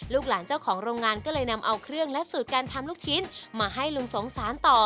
หลานเจ้าของโรงงานก็เลยนำเอาเครื่องและสูตรการทำลูกชิ้นมาให้ลุงสงสารต่อ